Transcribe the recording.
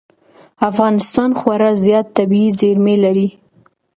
افغانستان خورا زیات طبعي زېرمې لري.